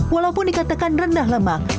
walaupun dikatakan rendah lemak